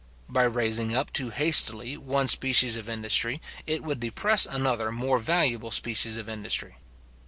By raising up too hastily one species of industry, it would depress another more valuable species of industry.